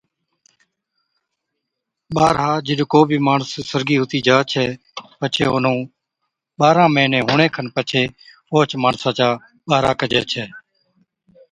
ٻارها، جِڏ ڪو بِي ماڻس سرگِي ھُتِي جا ڇَي تہ پڇي اونھُون ٻارھن مھِيني ھُوَڻي کن پڇي اوھچ ماڻسا چا ٻارھا ڪجَي ڇَي